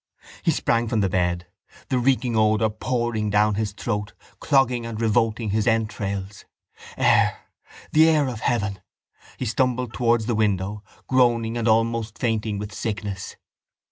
He sprang from the bed, the reeking odour pouring down his throat, clogging and revolting his entrails. Air! The air of heaven! He stumbled towards the window, groaning and almost fainting with sickness.